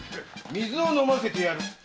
水を飲ませてやる〕